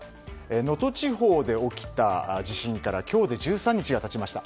能登地方で起きた地震から今日で１３日が経ちました。